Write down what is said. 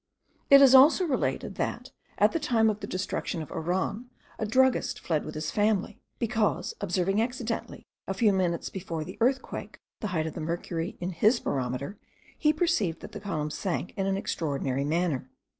It is also related, that, at the time of the destruction of Oran, a druggist fled with his family, because, observing accidentally, a few minutes before the earthquake, the height of the mercury in his barometer, he perceived that the column sank in an extraordinary manner.